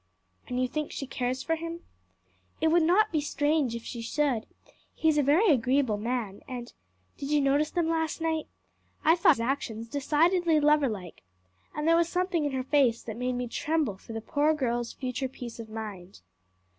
"And you think she cares for him?" "It would not be strange if she should; he is a very agreeable man, and Did you notice them last night? I thought his actions decidedly loverlike, and there was something in her face that made me tremble for the poor child's future peace of mind."